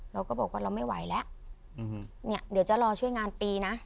เราก็บอกว่าเราไม่ไหวแล้วเนี่ยเดี๋ยวจะรอช่วยงานปีนะ